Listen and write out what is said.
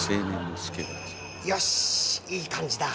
よしいい感じだ！